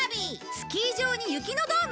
スキー場に雪のドーム。